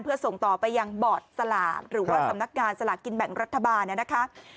เพื่อส่งต่อไปยังบอร์ดสลากหรือว่าสำนักงานสลากกินแบ่งรัฐบาลเนี่ยนะคะ